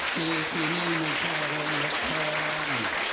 จริงมีชาวร้อนละครหยุดได้ครับ